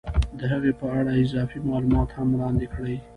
د هغې په اړه اضافي معلومات هم وړاندې کړي